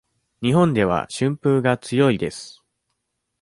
日本では春風が強いです。